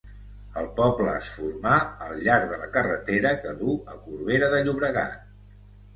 El poble es formà al llarg de la carretera que duu a Corbera de Llobregat.